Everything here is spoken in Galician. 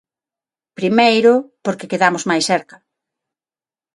Primeiro, porque quedamos máis cerca.